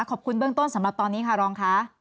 ขอบคุณเบื้องต้นสำหรับตอนนี้ค่ะรองค่ะ